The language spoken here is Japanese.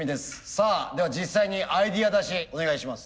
さあでは実際にアイデア出しお願いします。